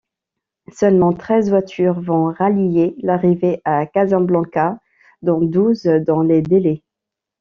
Seulement treize voitures vont rallier l'arrivée à Casablanca, dont douze dans les délais.